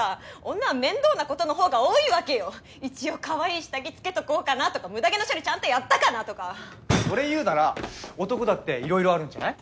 女は面倒なことのほうが多いわけよ一応かわいい下着着けとこうかなとかむだ毛の処理ちゃんとやったかなとかそれ言うなら男だっていろいろあるんじゃない？